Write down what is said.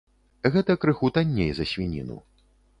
Гэта крыху танней за свініну.